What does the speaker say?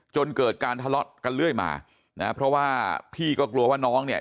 จนเกิดการทะเลาะกันเรื่อยมานะเพราะว่าพี่ก็กลัวว่าน้องเนี่ย